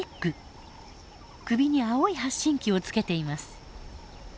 首に青い発信器をつけています。